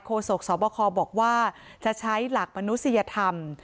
โศกสบคบอกว่าจะใช้หลักมนุษยธรรม